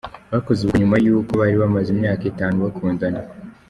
Bakoze ubukwe nyuma y’uko bari bamaze imyaka itanu bakundana.